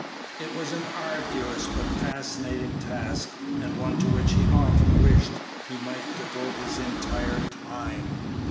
It was an arduous but fascinating task and one to which he often wished he might devote his entire time.